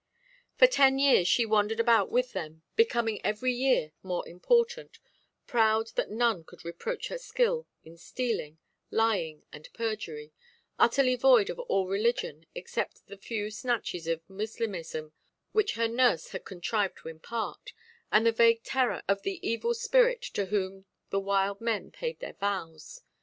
For ten years she wandered about with them, becoming every year more important, proud that none could approach her skill in stealing, lying, and perjury, utterly void of all religion, except the few snatches of Moslemism which her nurse had contrived to impart, and the vague terror of the evil spirit to whom the wild men paid their vows.